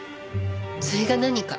それが何か？